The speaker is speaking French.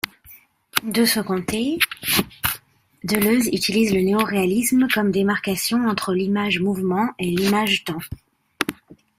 De son côté, Deleuze utilise le néo-réalisme comme démarcation entre l'image-mouvement et l'image-temps.